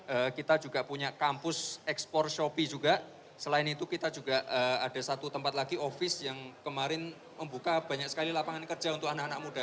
kemudian kita juga punya kampus ekspor shopee juga selain itu kita juga ada satu tempat lagi office yang kemarin membuka banyak sekali lapangan kerja untuk anak anak muda